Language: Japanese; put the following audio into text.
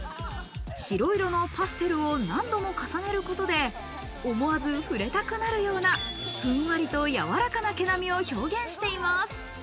白色のパステルを何度も重ねることで、思わず触れたくなるようなふんわりとやわらかな毛並みを表現しています。